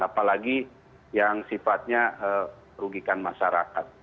apalagi yang sifatnya rugikan masyarakat